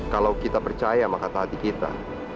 kalau kita percaya sama kata hati kita